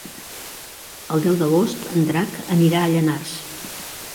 El deu d'agost en Drac anirà a Llanars.